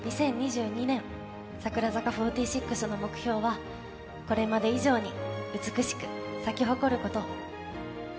２０２２年、櫻坂４６の目標はこれまで以上に美しく咲き誇ること。